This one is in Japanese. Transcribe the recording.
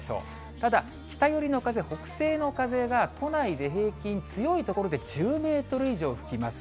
ただ、北寄りの風、北西の風が都内で平均、強い所で、１０メートル以上吹きます。